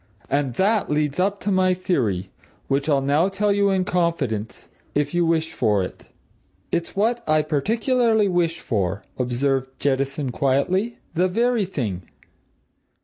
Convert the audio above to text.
And that leads up to my theory which I'll now tell you in confidence if you wish for it." "It's what I particularly wish for," observed Jettison quietly. "The very thing!"